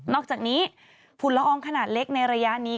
อกจากนี้ฝุ่นละอองขนาดเล็กในระยะนี้